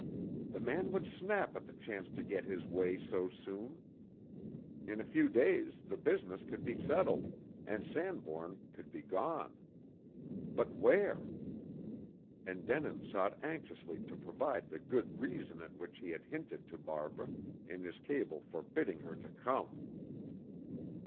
The man would snap at the chance to get his way so soon. In a few days the business could be settled, and Sanbourne could be gone. But where? And Denin sought anxiously to provide the "good reason" at which he had hinted to Barbara, in his cable forbidding her to come.